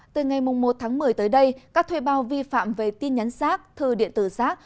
từ ngày một tháng một mươi tới đây các thuê bao vi phạm về tin nhắn rác thư điện tử rác